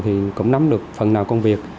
thì cũng nắm được phần nào công việc